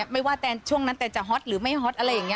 ไม่ว่าแต่ช่วงนั้นแตนจะฮอตหรือไม่ฮอตอะไรอย่างนี้